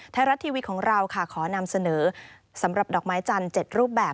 ไทยรัฐทีวีของเราค่ะขอนำเสนอสำหรับดอกไม้จันทร์๗รูปแบบ